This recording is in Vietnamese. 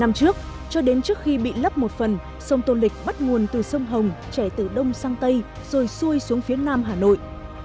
năm trước cho đến trước khi bị lấp một phần sông tô lịch bắt nguồn từ sông hồng trẻ từ đông sang tây rồi xuôi xuống phía nam hà nội